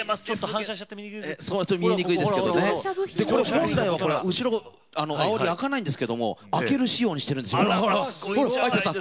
本来は後ろ開かないんですけれども開ける仕様にしているんです。